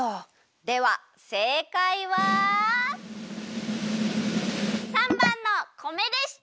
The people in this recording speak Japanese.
ではせいかいは③ばんの「米」でした！